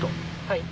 はい。